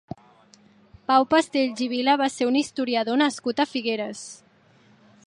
Pau Pastells i Vila va ser un historiador nascut a Figueres.